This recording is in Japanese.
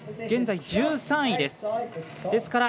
現在１３位です。